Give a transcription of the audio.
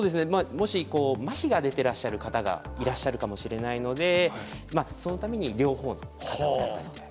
もし麻痺が出てらっしゃる方がいらっしゃるかもしれないのでそのために両方の肩をたたいて。